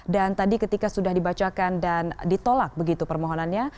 dan tadi ketika sudah dibacakan dan ditolak begitu permohonannya